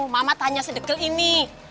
bakal yang ini